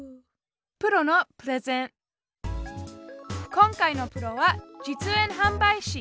今回のプロは実演販売士。